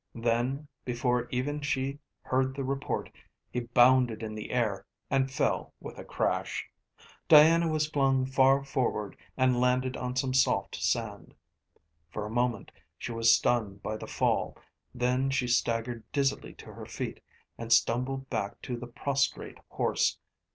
Then before even she heard the report he bounded in the air and fell with a crash. Diana was flung far forward and landed on some soft sand. For a moment she was stunned by the fall, then she staggered dizzily to her feet and stumbled back to the prostrate horse.